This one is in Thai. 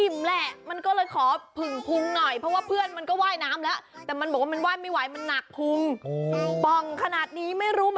มะพร้าวมั้งเต็มขนาดนี้